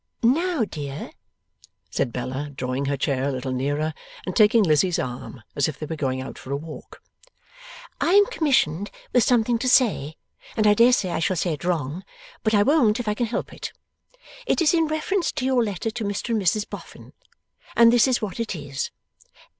'Now, dear,' said Bella, drawing her chair a little nearer, and taking Lizzie's arm as if they were going out for a walk, 'I am commissioned with something to say, and I dare say I shall say it wrong, but I won't if I can help it. It is in reference to your letter to Mr and Mrs Boffin, and this is what it is.